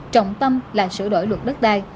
trọng tâm là sửa đổi luật đất đai